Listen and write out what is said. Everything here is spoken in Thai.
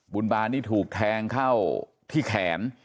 บุญบานี่ถูกแทงเข้าที่แขน